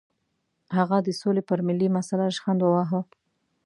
هغه د سولې پر ملي مسله ریشخند وواهه.